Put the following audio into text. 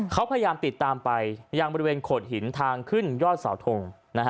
เขาพยายามติดตามไปยังบริเวณโขดหินทางขึ้นยอดเสาทง